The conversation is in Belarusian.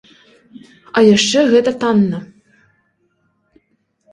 А яшчэ гэта танна.